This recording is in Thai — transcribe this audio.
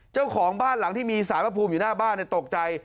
เจ้าของบ้านหลังที่มีสารพระภูมิอยู่หน้าบ้านตกใจ